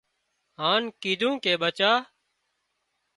هانَ ڪيڌون ڪي ٻچا